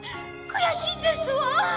くやしいですわ。